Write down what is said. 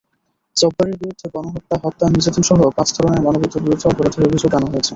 জব্বারের বিরুদ্ধে গণহত্যা, হত্যা, নির্যাতনসহ পাঁচ ধরনের মানবতাবিরোধী অপরাধের অভিযোগ আনা হয়েছে।